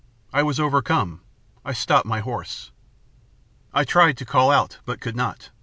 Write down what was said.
I was overcome. I stopped my horse. I tried to call out but could not.